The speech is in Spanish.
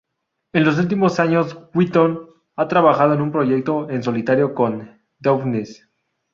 En los últimos años Wetton ha trabajado en un proyecto en solitario con Downes.